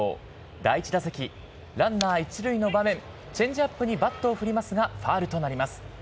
第１打席、ランナー１塁の場面、チェンジアップにバットを振りますがファウルとなります。